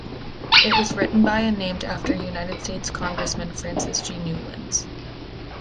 It was written by and named after United States Congressman Francis G. Newlands.